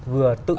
vừa tự kiểm tra